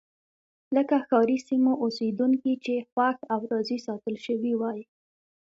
لکه ښاري سیمو اوسېدونکي چې خوښ او راضي ساتل شوي وای.